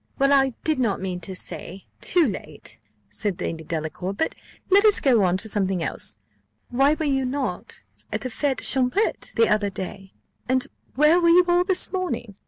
"Well, I did not mean to say too late," said Lady Delacour; "but let us go on to something else. Why were you not at the fète champêtre the other day? and where were you all this morning?